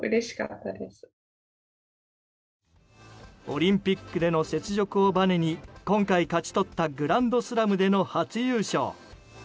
オリンピックでの雪辱をばねに今回勝ち取ったグランドスラムでの初優勝。